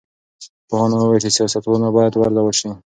پوهانو وویل چې سیاستونه باید وارزول سي.